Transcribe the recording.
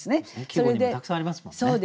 季語にもたくさんありますもんね。